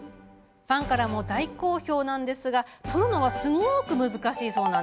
ファンからも大好評なんですが撮るのはすごく、難しいそう。